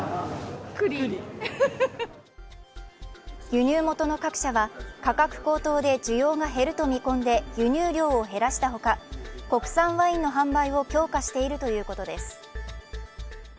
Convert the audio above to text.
輸入元の各社は、価格高騰で需要が減ると見込んで輸入量を減らしたほか国産ワインの販売を強化しているということです。